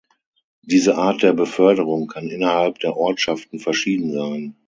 Diese Art der Beförderung kann innerhalb der Ortschaften verschieden sein.